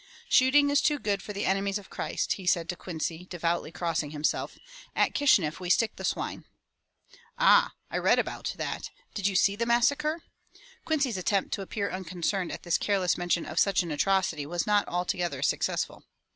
"Shooting is too good for the enemies of Christ,'' he said to Quincy, devoutly crossing himself. "At Kishineff we stick the swine." "Ah! I read about that. Did you see the massacre?" Qumcy's attempt to appear unconcerned at this careless mention of such an atrocity was not altogether successful.